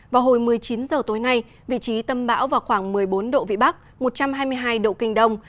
vào hồi một mươi chín h tối nay vị trí tâm bão vào khoảng một mươi bốn độ vĩ bắc một trăm hai mươi hai độ kinh đông